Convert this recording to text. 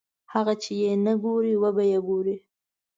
هغه چې نه یې ګورې وبه یې ګورې.